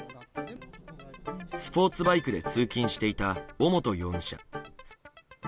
スポーツバイクで通勤していた尾本容疑者。